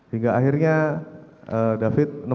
hingga akhirnya david nemuin